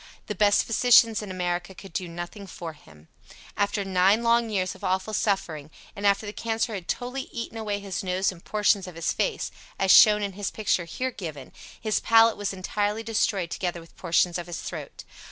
The best physicians in America could do nothing for him. After nine long years of awful suffering, and after the cancer had totally eaten away his nose and portions of his face (as shown in his picture here given) his palate was entirely destroyed together with portions of his throat.